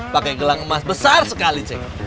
pakai gelang emas besar sekali cek